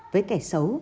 với kẻ xấu